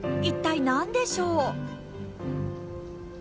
一体何でしょう？